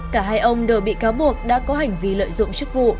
cả hai ông đều bị cáo buộc đã có hành vi lợi dụng chức vụ